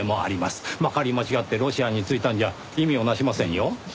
まかり間違ってロシアに着いたんじゃ意味をなしませんよ。